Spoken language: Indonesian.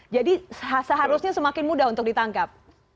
jadi seharusnya semakin mudah untuk ditangkap